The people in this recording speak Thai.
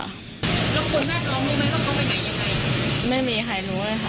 แล้วคุณแม่นรองมีมั้ยเขาเข้าไปไหนอย่างไรไม่มีใครรู้เลยค่ะ